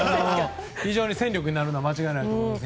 非常に戦力になるのは間違いないと思います。